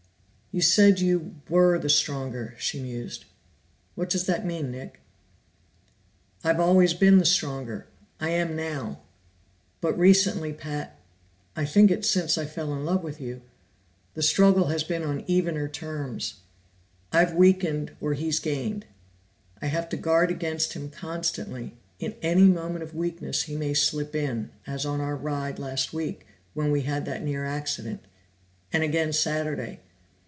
"You said you were the stronger," she mused. "What does that mean, Nick?" "I've always been the stronger; I am now. But recently, Pat I think it's since I fell in love with you the struggle has been on evener terms. I've weakened or he's gained. I have to guard against him constantly; in any moment of weakness he may slip in, as on our ride last week, when we had that near accident. And again Saturday."